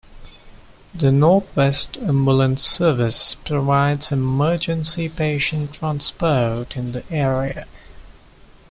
The North West Ambulance Service provides emergency patient transport in the area.